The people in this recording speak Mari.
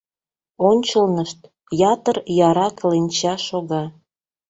Ончылнышт ятыр яра кленча шога.